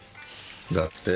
だって。